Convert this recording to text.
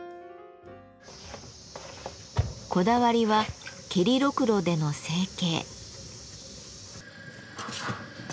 こだわりは蹴りろくろでの成形。